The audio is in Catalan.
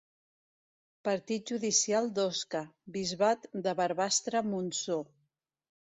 Partit judicial d'Osca, bisbat de Barbastre-Montsó.